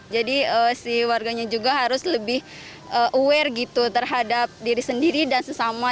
jadi si warganya juga harus lebih aware gitu terhadap diri sendiri dan sesama